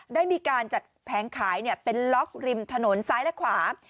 ได้มีการจัดแผงขายเป็นล็อกริมถนนซ้ายและขวา